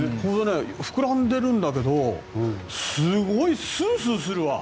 膨らんでるんだけどすごいスースーするわ。